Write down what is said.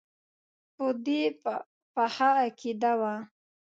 په دې مې پخه عقیده وه.